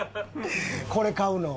これ買うの？